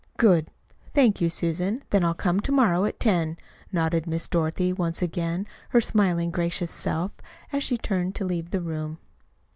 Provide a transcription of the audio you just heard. "Good! Thank you, Susan. Then I'll come to morrow at ten," nodded Miss Dorothy, once again her smiling, gracious self, as she turned to leave the room.